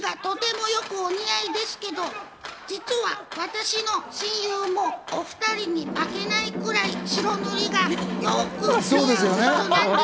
團十郎さんも宮舘さんも白塗りがとてもよくお似合いですけど、実は私の親友も、お２人に負けないくらい白塗りがよく似合う人なんです。